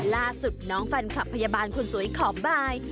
ล่าสุดน้องแฟนคลับพยาบาลคนสวยขอบาย